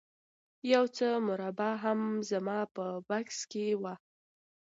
یو څه مربا هم زما په بکس کې وه